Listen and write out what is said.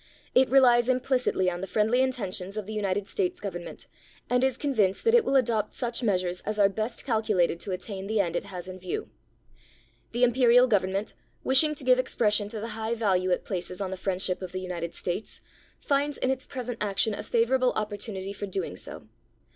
It relies implicitly on the friendly intentions of the United States Government, and is convinced that it will adopt such 258 A DIPLOMATIC CORRESPONDENCE measures as are best calculated to attain the end it has in view. The Imperial Government, wishing to give expression to the high value it places on the friendship of the United States, finds in its present action a favorable opportim ity for doing so.